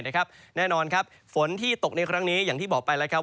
แน่นอนครับฝนที่ตกในครั้งนี้อย่างที่บอกไปแล้วครับ